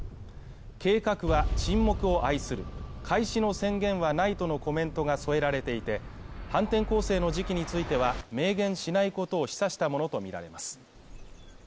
計画は沈黙を愛する開始の宣言はないとのコメントが添えられていて、反転攻勢の時期については明言しないことを示唆したものとみられます。